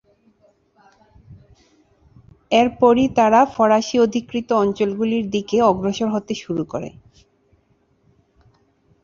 এর পরই তারা ফরাসী-অধিকৃত অঞ্চলগুলির দিকে অগ্রসর হতে শুরু করে।